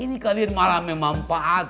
ini kalian malah mempaatkan di waktu istilahnya